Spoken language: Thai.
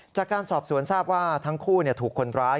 จากการสอบสวนทราบว่าทั้งคู่ถูกคนร้าย